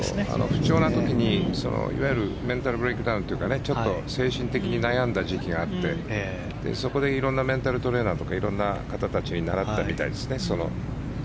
不調な時にいわゆるメンタルブレークダウンというかちょっと精神的に悩んだ時期があってそこで色んなメンタルトレーナーとか色んな方たちに習ったみたいですね。